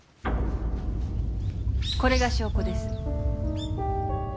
これが証拠です。